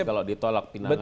kalau ditolak pindahannya